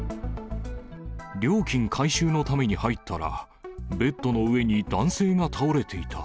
料金回収のために入ったら、ベッドの上に男性が倒れていた。